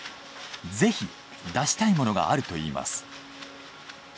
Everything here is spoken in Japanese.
ぜひ出したいものがあるといいます。